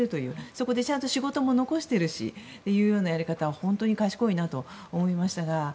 そこでちゃんと仕事も残してるしというようなやり方は本当に賢いなと思いましたが。